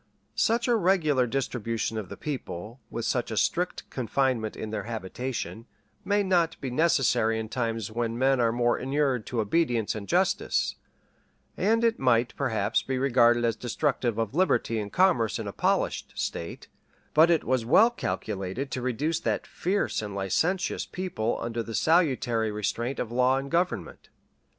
Such a regular distribution of the people, with such a strict confinement in their habitation, may not be necessary in times when men are more inured to obedience and justice; and it might, perhaps, be regarded as destructive of liberty and commerce in a polished state; but it was well calculated to reduce that fierce and licentious people under the salutary restraint of law and government.